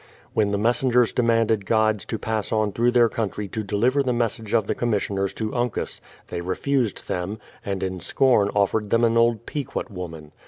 When the messengers demanded guides to pass on through their country to deliver the message of the com missioners to Uncas, they refused them, and in scorn offered them an old Pequot woman.